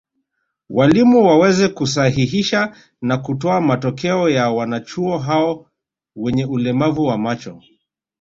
Walimu waweze kusahihisha na kutoa matokeo ya wanachuo hao wenye ulemavu wa macho